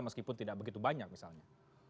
meskipun tidak begitu banyak misalnya